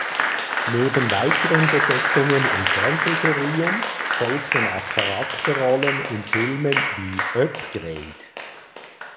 Neben weiteren Besetzungen in Fernsehserien folgten auch Charakterrollen in Filmen wie "Upgrade".